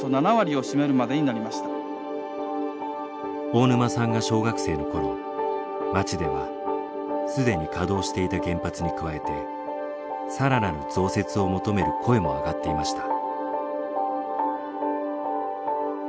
大沼さんが小学生の頃町ではすでに稼働していた原発に加えて更なる増設を求める声も上がっていました。